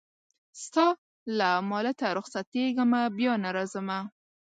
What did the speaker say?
ستا له مالته رخصتېږمه بیا نه راځمه